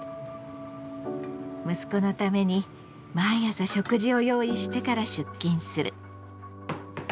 息子のために毎朝食事を用意してから出勤する。